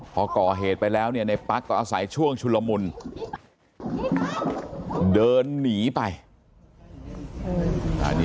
พอก่อเหตุไปแล้วเนี่ยในปั๊กก็อาศัยช่วงชุลมุนเดินหนีไป